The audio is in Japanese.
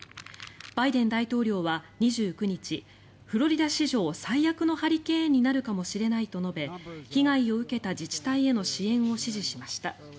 バイデン大統領は２９日フロリダ史上最悪のハリケーンになるかもしれないと述べ被害を受けた自治体への支援を指示しました。